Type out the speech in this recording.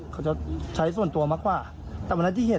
เขาจะใช้ส่วนตัวมากกว่าแต่วันนั้นที่เห็น